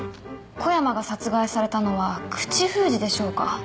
小山が殺害されたのは口封じでしょうか？